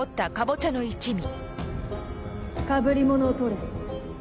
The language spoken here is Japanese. かぶり物を取れ。